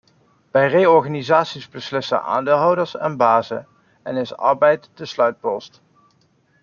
Bij reorganisaties beslissen aandeelhouders en bazen, en is arbeid de sluitpost.